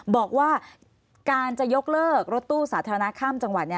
บอกว่าการจะยกเลิกรถตู้สาธารณะข้ามจังหวัด